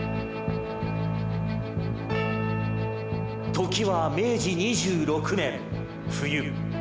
時は明治２６年冬。